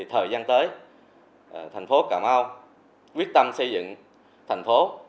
thời gian tới thành phố cà mau quyết tâm xây dựng thành phố